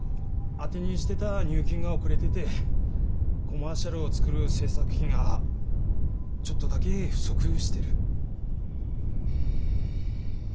当てにしてた入金が遅れててコマーシャルを作る制作費がちょっとだけ不足してる。